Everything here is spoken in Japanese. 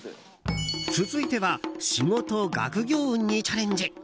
続いては仕事学業運にチャレンジ。